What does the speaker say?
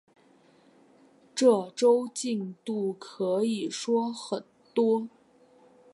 这周进度可以说很多